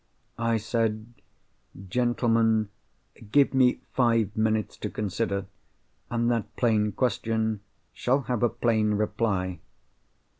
I said, 'Gentlemen, give me five minutes to consider, and that plain question shall have a plain reply.